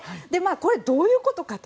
これ、どういうことかと。